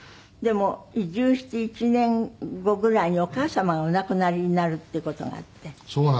でも移住して１年後ぐらいにお母様がお亡くなりになるっていう事があって。